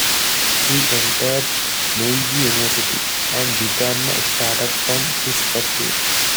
He entered Meiji University, and became a starter from his first year.